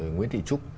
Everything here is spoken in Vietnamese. nguyễn thị trúc